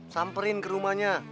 samperin ke rumahnya